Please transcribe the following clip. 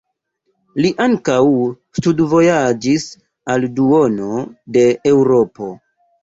Li ankaŭ studvojaĝis al duono de Eŭropo.